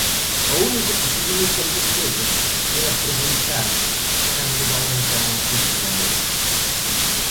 Ao único que se limitan vostedes é a preguntar cando van entrar en funcionamento.